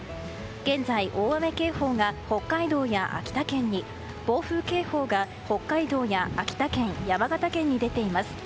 現在、大雨警報が北海道や秋田県に暴風警報が北海道や秋田県山形県に出ています。